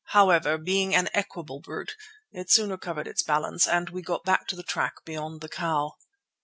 However, being an equable brute, it soon recovered its balance, and we got back to the track beyond the cow.